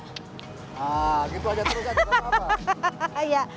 haa gitu aja terus aja gak apa apa